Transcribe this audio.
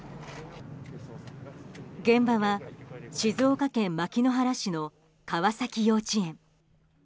現場は静岡県牧之原市の川崎幼稚園。